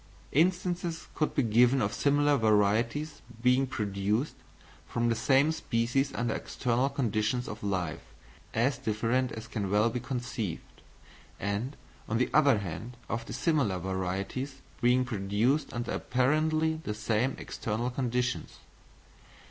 Instances could be given of similar varieties being produced from the same species under external conditions of life as different as can well be conceived; and, on the other hand, of dissimilar varieties being produced under apparently the same external conditions.